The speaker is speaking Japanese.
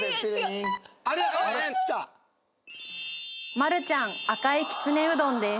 マルちゃん赤いきつねうどんです。